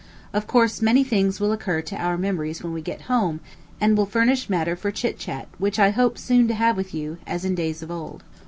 Of course many things will occur to our memories when we get home, and will furnish matter for chitchat which I hope soon to have with you, as in days of old.